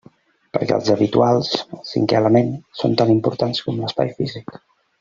Perquè els habituals, el cinqué element, són tan importants com l'espai físic.